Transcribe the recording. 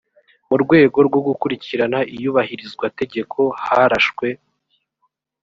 mu rwego rwo gukurikirana iyubahirizwa tegeko harashwe